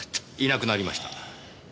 いなくなりました。